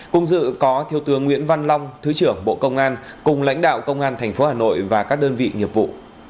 cùng dự có thiếu tướng nguyễn văn long thứ trưởng bộ công an cùng lãnh đạo công an tp hà nội và các đơn vị nghiệp vụ